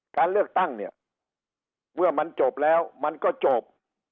การเลือกตั้งเนี่ยเมื่อมันจบแล้วมันก็จบ